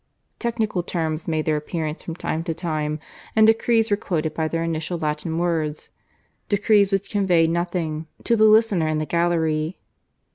Technical terms made their appearance from time to time, and decrees were quoted by their initial Latin words decrees which conveyed nothing to the listener in the gallery.